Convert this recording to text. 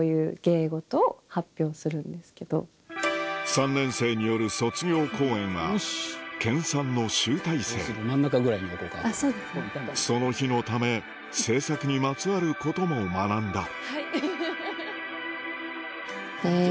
３年生による卒業公演は研さんの集大成その日のため制作にまつわることも学んだうん。